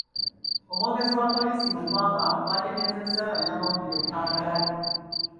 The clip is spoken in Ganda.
Omwogezi wa poliisi mu ggwanga bwategeezezza bannamawulire mu Kampala.